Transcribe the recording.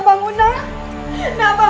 apa yang terjadi